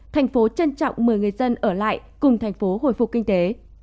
thành phố trân trọng một mươi người dân ở lại cùng thành phố hồi phục kinh tế